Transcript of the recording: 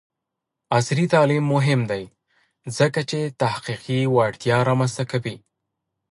عصري تعلیم مهم دی ځکه چې تحقیقي وړتیا رامنځته کوي.